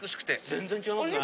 全然違いますね。